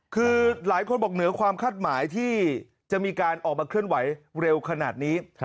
คือหลายคนบอกเหนือความคาดหมายที่จะมีการออกมาเคลื่อนไหวเร็วขนาดนี้